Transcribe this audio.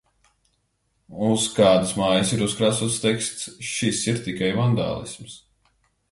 Uz kādas mājas ir uzkrāsots teksts "šis ir tikai vandālisms".